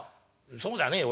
「そうじゃねえよ